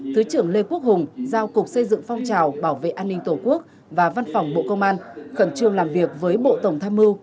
thứ trưởng lê quốc hùng giao cục xây dựng phong trào bảo vệ an ninh tổ quốc và văn phòng bộ công an khẩn trương làm việc với bộ tổng tham mưu